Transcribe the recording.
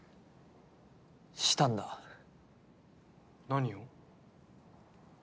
したんだ何を？